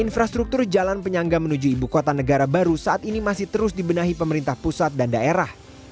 infrastruktur jalan penyangga menuju ibu kota negara baru saat ini masih terus dibenahi pemerintah pusat dan daerah